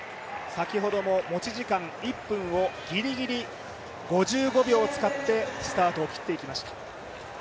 先ほども持ち時間１分をギリギリ５５秒使ってスタートを切っていきました。